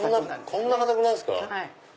こんな硬くなるんですか。